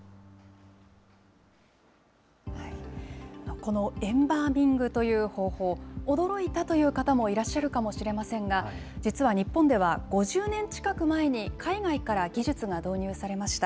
このエンバーミングという方法、驚いたという方もいらっしゃるかもしれませんが、実は日本では、５０年近く前に、海外から技術が導入されました。